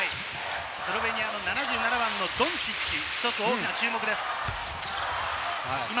スロベニア７７番のドンチッチ、大きな注目です。